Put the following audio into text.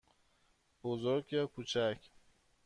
بزرگ یا کوچک؟